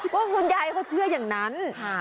ว่าคุณยายเขาเชื่ออย่างนั้น